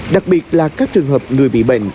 đặc biệt là các trường hợp người bị bệnh